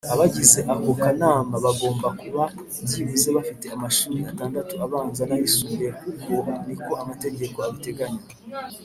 Abagize ako kanama bagomba kuba byibuze bafite amashuri atandatu abanza nayisumbuye kuko niko amategeko abiteganya.